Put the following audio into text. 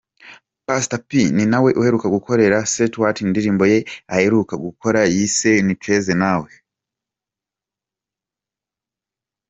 Pastor P ni nawe uheruka gukorera Stewart indirimbo ye aheruka gukora yise’ Nicheze nawe’.